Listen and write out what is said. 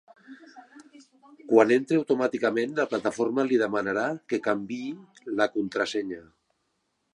Quan entri automàticament la plataforma li demanarà que canviï la contrasenya.